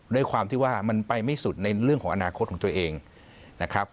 ด้วยความที่ว่ามันไปไม่สุดในเรื่องของอนาคตของตัวเองนะครับ